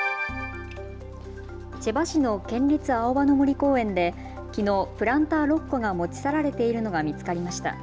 千葉市の県立青葉の森公園できのう、プランター６個が持ち去られているのが見つかりました。